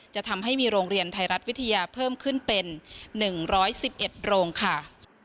จะทำให้มีโรงเรียนไทยรัฐวิทยาเพิ่มขึ้นเป็น๑๑๑โรงค่ะ